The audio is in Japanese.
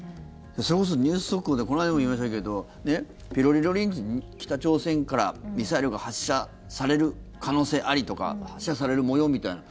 それこそニュース速報でこの間もありましたけどもピロリロリンって北朝鮮からミサイルが発射される可能性ありとか発射される模様みたいな。